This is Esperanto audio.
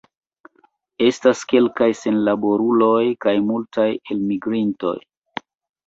Estas kelkaj senlaboruloj kaj multaj elmigrintoj.